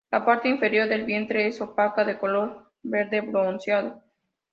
La parte inferir del vientre es opaca, de color verde bronceado.